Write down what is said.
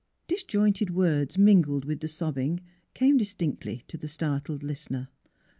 Disjointed words mingled with the sobbing came distinctly to the startled listener.